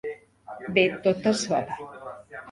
Ve tota sola.